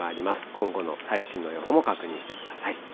今後の最新の予報も確認してください。